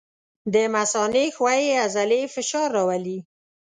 د مثانې ښویې عضلې فشار راولي.